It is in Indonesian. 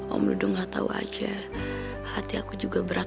om dudung tuh